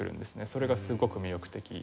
それがすごく魅力的。